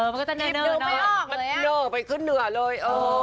มันเนอร์ไปขึ้นเนื้อเลย